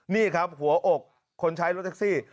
นี่ครับหัวอกคนใช้รถแท็กซี่